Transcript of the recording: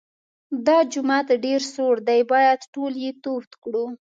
دا جومات ډېر سوړ دی باید ټول یې تود کړو.